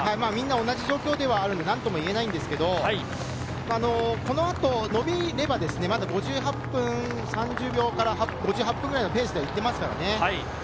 みんな同じ状況ではあるので何とも言えないんですけど、この後、伸びればまだ５８分３０秒から５８分ぐらいのペースで行ってますからね。